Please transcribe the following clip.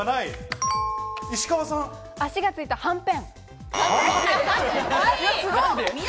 足がついたはんぺん。